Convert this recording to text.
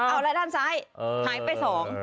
เอาละด้านซ้ายหายไปสอง